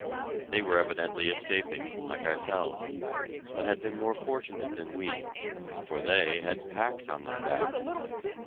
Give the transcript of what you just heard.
They were evidently escaping, like ourselves, but had been more fortunate than we, for they had packs on their backs.